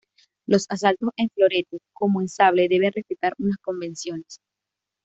Los asaltos en florete, como en sable, deben respetar unas convenciones.